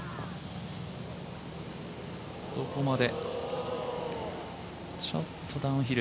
どこまでちょっとダウンヒル。